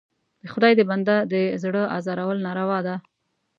د خدای د بنده د زړه ازارول ناروا ده.